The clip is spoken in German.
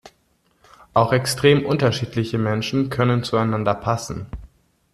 Auch extrem unterschiedliche Menschen können zueinander passen.